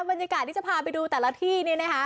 บรรยากาศที่จะพาไปดูแต่ละที่เนี่ยนะคะ